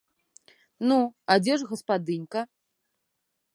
Ну, а дзе ж гаспадынька?